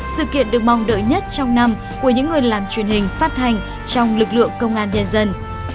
sự kiện được mong đợi nhất trong năm của những người làm truyền hình phát thanh trong lực lượng công an nhân dân